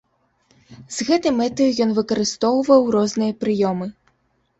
З гэтай мэтаю ён выкарыстоўваў розныя прыёмы.